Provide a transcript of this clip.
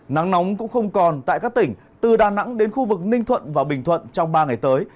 nắng nóng cũng không còn tại các tỉnh từ đà nẵng đến khu vực ninh thuận và bình thuận trong ba ngày tới